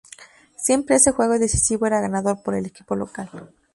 Siempre ese juego decisivo era ganado por el equipo local.